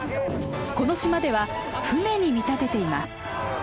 この島では船に見立てています。